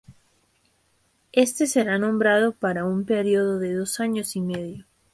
Este será nombrado para un periodo de dos años y medio.